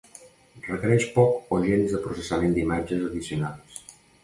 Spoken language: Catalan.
Requereix poc o gens de processament d'imatges addicionals.